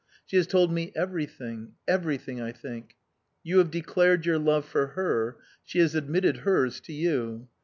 She has told me everything... everything, I think. You have declared your love for her... She has admitted hers to you."